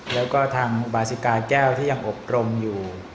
แล้วก็ทางบาซิกาแก้วที่ยังอบรมอยู่